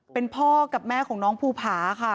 เป็นพ่อกับแม่ของน้องภูผาค่ะ